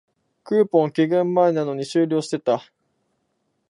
クーポン、期限前なのに終了してた